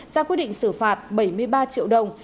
ra quyết định xử phạt bảy mươi ba triệu đồng